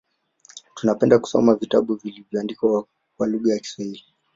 Tunapenda kusoma vitabu vilivyoandikwa kwa lugha ya Kiswahili